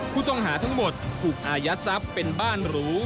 ผู้ต้องหาทั้งหมดถูกอายัดทรัพย์เป็นบ้านหรู